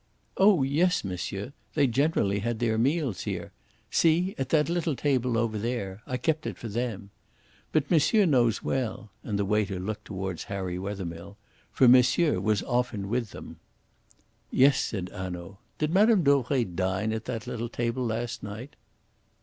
"Oh yes, monsieur. They generally had their meals here. See, at that little table over there! I kept it for them. But monsieur knows well" and the waiter looked towards Harry Wethermill "for monsieur was often with them." "Yes," said Hanaud. "Did Mme. Dauvray dine at that little table last night?"